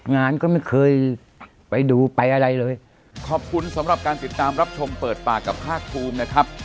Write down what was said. งานก็ไม่เคยไปดูไปอะไรเลยขอบคุณสำหรับการติดตามรับชมเปิดปากกับภาคภูมินะครับ